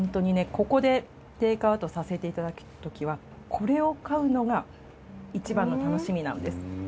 ここでテイクアウトさせていただくときはこれを買うのがいちばんの楽しみなんです。